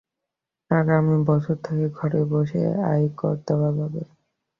আগামী বছর থেকে ঘরে বসেই আয়কর দেওয়া যাবে।